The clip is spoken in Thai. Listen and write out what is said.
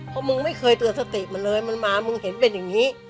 เพราะมึงไม่เคยเตือนสติมันเลยมันมามึงเห็นเป็นอย่างนี้